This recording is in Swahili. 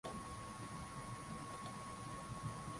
ni ojwang agina wakili na mchambuzi wa siasa kutoka nairobi